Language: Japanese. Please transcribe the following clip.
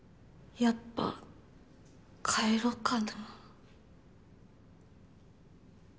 やっぱ帰ろかな。